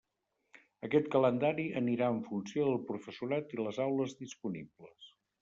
Aquest calendari anirà en funció del professorat i les aules disponibles.